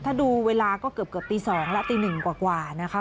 ถ้าดูเวลาก็เกือบตี๒และตี๑กว่านะคะ